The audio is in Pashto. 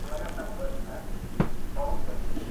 درسره دریږو چې تر هغو مو په بدن کې